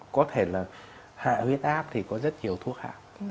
có thể là hạ huyết áp thì có rất nhiều thuốc hạ